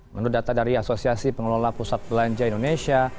menurut data dari asosiasi pengelola pusat belanja indonesia